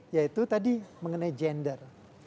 yaitu tadi mengenai gender